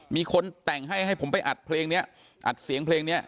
มีคนแต่งให้ให้ผมไปอัดเพลงนี้อัดเสียงเพลงนี้